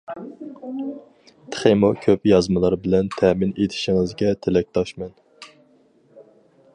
تېخىمۇ كۆپ يازمىلار بىلەن تەمىن ئېتىشىڭىزگە تىلەكداشمەن.